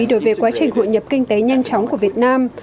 đối với quá trình hội nhập kinh tế nhanh chóng của việt nam